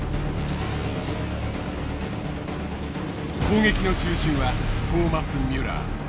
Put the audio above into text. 攻撃の中心はトーマス・ミュラー。